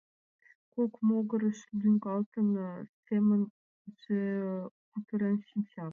— Кок могырыш лӱҥгалтын, семынже кутырен шинча.